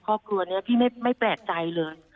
ครอบครัวนี้พี่ไม่แปลกใจเลย